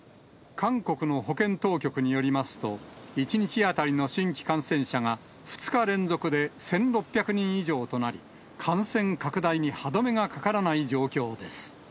韓国の保健当局によりますと、１日当たりの新規感染者が２日連続で１６００人以上となり、感染拡大に歯止めがかからない状況です。